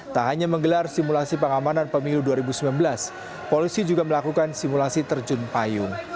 tak hanya menggelar simulasi pengamanan pemilu dua ribu sembilan belas polisi juga melakukan simulasi terjun payung